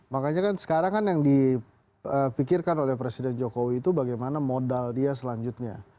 makanya kan sekarang kan yang dipikirkan oleh presiden jokowi itu bagaimana modal dia selanjutnya